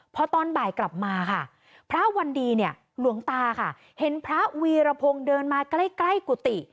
พอตอนบ่ายกลับมาค่ะพระวันดีเนี่ยหลวงตาค่ะเห็นพระวีรพงศ์เดินมาใกล้ใกล้กุฏิ